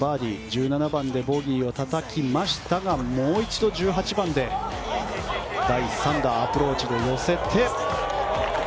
１７番でボギーをたたきましたがもう一度１８番で第３打、アプローチで寄せて。